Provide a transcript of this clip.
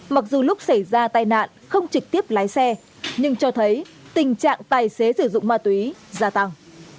mặc dù lúc xảy ra tai nạn không trực tiếp lái xe nhưng cho thấy tình trạng tài xế sử dụng ma túy gia tăng